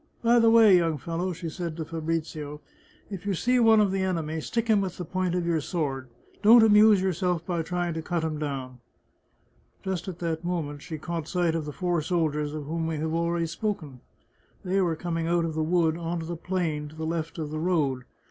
By the way, young fellow," she said to Fabrizio, " if you see one of the enemy, stick him with the point of your sword ; don't amuse yourself by trying to cut him down." Just at that moment she caught sight of the four soldiers of whom we have already spoken. They were coming out of the wood on to the plain to the left of the road.